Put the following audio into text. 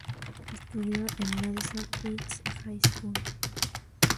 Estudió en Madison East High School.